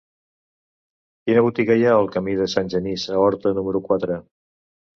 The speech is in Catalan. Quina botiga hi ha al camí de Sant Genís a Horta número quatre?